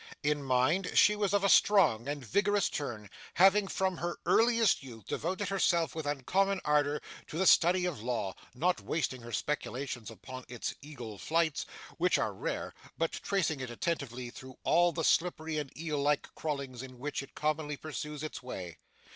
In mind, she was of a strong and vigorous turn, having from her earliest youth devoted herself with uncommon ardour to the study of law; not wasting her speculations upon its eagle flights, which are rare, but tracing it attentively through all the slippery and eel like crawlings in which it commonly pursues its way.